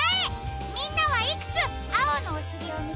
みんなはいくつあおのおしりをみつけられたかな？